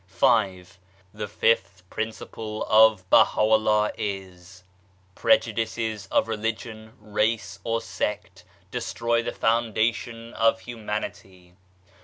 V. The fifth principle of Baha'u'llah is : Prejudices of Religion, Race or Sect destroy the foundation of Humanity.